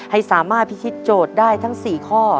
ให้สามารถพิธีโจทย์ได้ทั้ง๔ข้อ